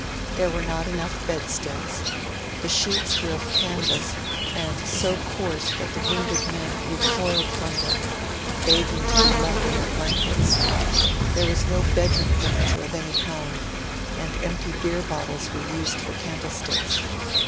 There were not enough bedsteads; the sheets were of canvas, and so coarse that the wounded men recoiled from them, begging to be left in their blankets; there was no bedroom furniture of any kind, and empty beer bottles were used for candlesticks.